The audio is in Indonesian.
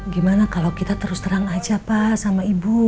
gimana kalau kita terus terang aja pak sama ibu